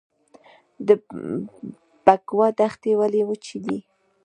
د بکوا دښتې ولې وچې دي؟